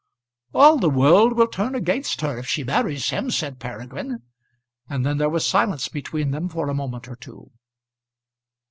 "All the world will turn against her if she marries him," said Peregrine. And then there was silence between them for a moment or two.